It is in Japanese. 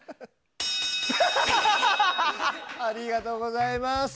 ありがとうございます。